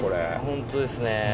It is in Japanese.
ホントですね。